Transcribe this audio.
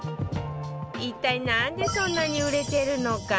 一体なんでそんなに売れてるのか